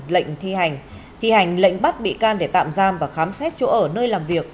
lệnh thi hành thi hành lệnh bắt bị can để tạm giam và khám xét chỗ ở nơi làm việc